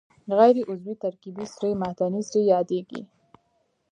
غیر عضوي ترکیبي سرې معدني سرې یادیږي.